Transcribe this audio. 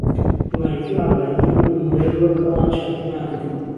لە مالیکی و عەبادی و نمونەی وەك ئەوان چاکتر نابن.